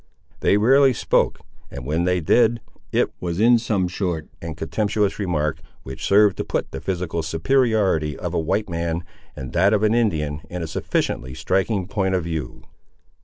They rarely spoke; and when they did it was in some short and contemptuous remark, which served to put the physical superiority of a white man, and that of an Indian, in a sufficiently striking point of view.